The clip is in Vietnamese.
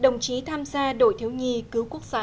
đồng chí tham gia đội thiếu nhi cứu quốc gia